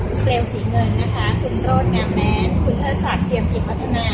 อุเซลสีเงินคุณโรดกามแมนคุณเทศักดิ์เจียมกิจพัฒนา